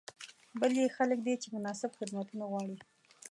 بل یې خلک دي چې مناسب خدمتونه غواړي.